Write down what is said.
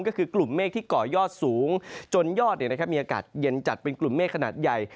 ก็คือกลุ่มเมฆที่ก่อยอดสูงจนยอดมีอากาศเย็นจัดเป็นกลุ่มเมฆขนาดใหญ่